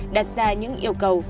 đặt ra những yêu cầu